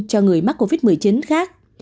cho người mắc covid một mươi chín khác